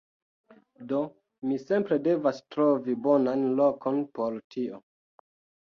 Do, mi simple devas trovi bonan lokon por tio